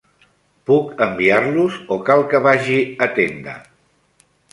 Puc enviar-los o cal que vagi a tenda?